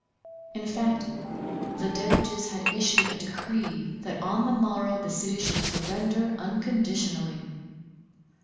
In fact, the Doges had issued a decree that on the morrow the city should surrender unconditionally.